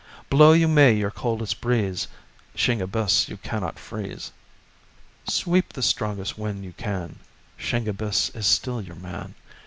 Blow you may your coldest breeze, iShingebiss you cannot freeze. " Sweep the strongest wind you can, Shingebiss is still your man.